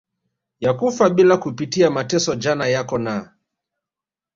ya kufa bila kupitia mateso Jana yako na